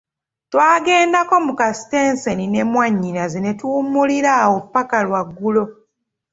Twagendako mu kasitenseni ne mwannyinaze ne tuwummulira awo ppaka lwaggulo.